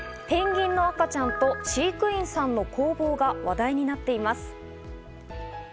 ペンギンの赤ちゃんと飼育員さんの攻防が話題になっています。